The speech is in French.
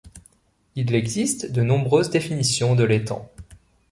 Il existe de nombreuses définitions de l’étang.